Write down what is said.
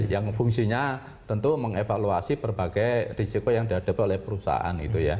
yang fungsinya tentu mengevaluasi berbagai risiko yang dihadapi oleh perusahaan itu ya